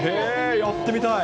やってみたい。